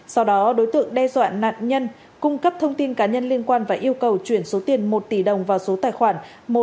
sau đó đối tượng đe dọa nạn nhân cung cấp thông tin cá nhân liên quan và yêu cầu chuyển số tiền một tỷ đồng vào số tài khoản một không tám tám bảy năm một sáu bảy năm tám